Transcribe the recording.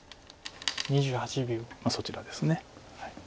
まあそちらです。